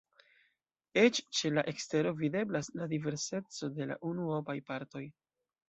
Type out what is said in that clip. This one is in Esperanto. Eĉ ĉe la ekstero videblas la diverseco de la unuopaj partoj.